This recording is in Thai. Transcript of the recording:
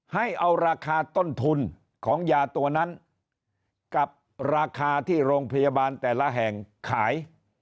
ให้เอาราคาต้นทุนของยาตัวนั้นกับราคาที่โรงพยาบาลแต่ละแห่งขาย